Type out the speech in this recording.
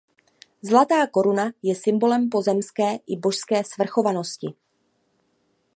Zlatá koruna je symbolem pozemské i božské svrchovanosti.